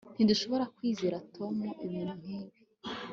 ntidushobora kwizera tom ibintu nkibi